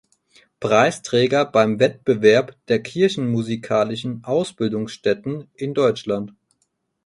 Preisträger beim Wettbewerb der kirchenmusikalischen Ausbildungsstätten in Deutschland.